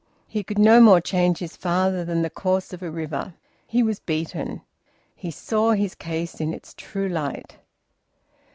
He could no more change his father than the course of a river. He was beaten. He saw his case in its true light.